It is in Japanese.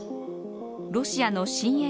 ロシアの親衛